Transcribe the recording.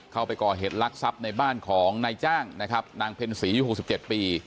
เข้าไปก่อเหตุลักษัตริย์ในบ้านของนายจ้างนางเพริมศรียุคกยุค๑๗ปี